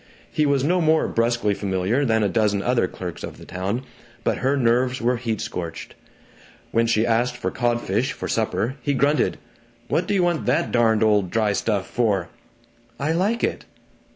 He was no more brusquely familiar than a dozen other clerks of the town, but her nerves were heat scorched. When she asked for codfish, for supper, he grunted, "What d'you want that darned old dry stuff for?" "I like it!"